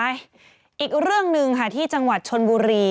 อีกเรื่องหนึ่งค่ะที่จังหวัดชนบุรี